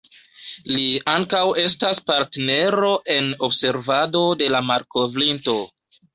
Li ankaŭ estas partnero en observado de la malkovrinto.